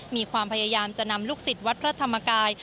มีความพยายามจะนำลูกศิษย์วัดพระธรรมกาย